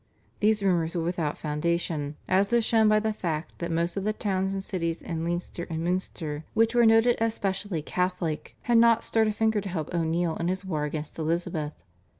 These rumours were without foundation, as is shown by the fact that most of the towns and cities in Leinster and Munster which were noted as specially Catholic, had not stirred a finger to help O'Neill in his war against Elizabeth.